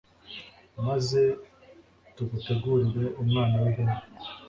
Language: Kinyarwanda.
maze tugutegurire umwana w'ihene